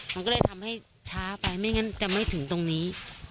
มันก็เลยทำให้ช้าไปไม่งั้นจะไม่ถึงตรงนี้